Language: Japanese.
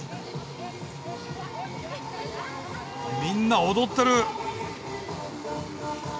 みんな踊ってる。